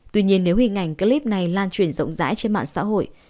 tuy nhiên nếu hình ảnh clip này lan truyền rộng rãi trên mạng xã hội